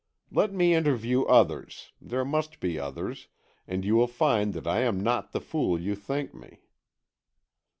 Let me interview others, there must be others, and you will find that I am not the fool you think me."